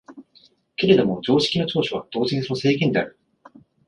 けれども常識の長所は同時にその制限である。